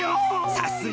さすが。